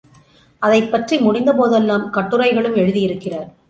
அதைப் பற்றி முடிந்த போதெல்லாம், கட்டுரைகளும் எழுதியிருக்கிறார்.